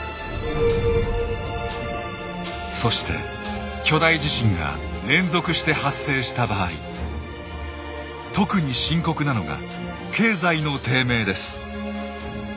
そして巨大地震が連続して発生した場合特に深刻なのが経済の低迷です。